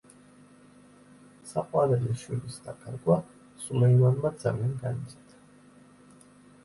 საყვარელი შვილის დაკარგვა სულეიმანმა ძალიან განიცადა.